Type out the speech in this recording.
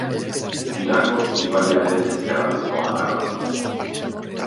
Zidakos ibaiaren ezkerraldeko adarra da.